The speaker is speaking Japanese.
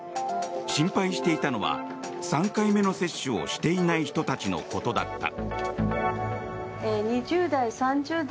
心配していたのは３回目の接種をしていない人たちのことだった。